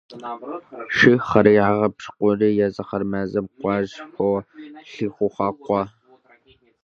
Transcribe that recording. Щыхьыр ягъэпщкӀури, езыхэр мэзым кӀуащ, фо лъыхъуакӀуэ.